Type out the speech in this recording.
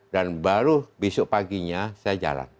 baru besok paginya saya jalan